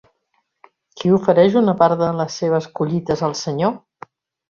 Qui ofereix una part de les seves collites al Senyor?